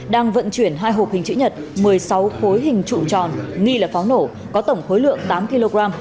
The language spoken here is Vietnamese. đang vận chuyển hai hộp hình chữ nhật một mươi sáu khối hình trụ tròn nghi là pháo nổ có tổng khối lượng tám kg